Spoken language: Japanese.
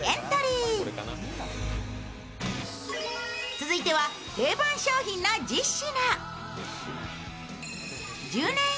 続いては定番商品の１０品。